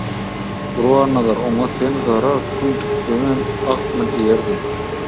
Gurbannazar oňa «Sen gara kündükdenem akmy?» diýerdi.